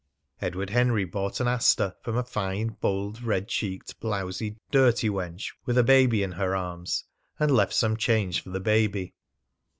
Edward Henry bought an aster from a fine, bold, red cheeked, blowsy, dirty wench with a baby in her arms, and left some change for the baby.